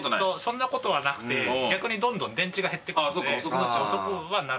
そんなことはなくて逆にどんどん電池が減ってくので遅くはなるんすよ。